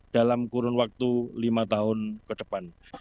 dalam kurun waktu lima tahun ke depan